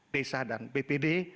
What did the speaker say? desa dan bpd